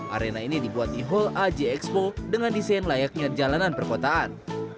arena ini dibuat di hall aj expo dengan desain layaknya jalanan perkotaan